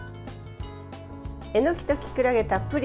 えのきときくらげたっぷり！